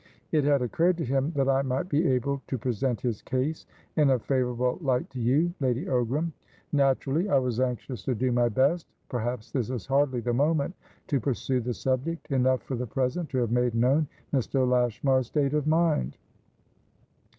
It had occurred to him that I might be able to present his case in a favourable light to you, Lady Ogram. Naturally, I was anxious to do my best. Perhaps this is hardly the moment to pursue the subject. Enough for the present to have made known Mr. Lashmar's state of mind."